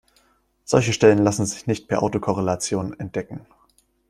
Solche Stellen lassen sich nicht per Autokorrelation entdecken.